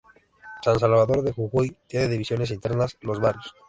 San Salvador de Jujuy tiene divisiones internas, los barrios.